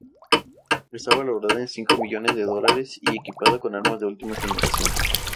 Está valorada en cinco millones de dólares y equipada con armas de última generación.